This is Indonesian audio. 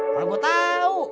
kalau gue tau